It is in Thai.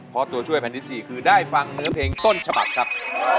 เพราะตัวช่วยแผ่นที่๔คือได้ฟังเนื้อเพลงต้นฉบับครับ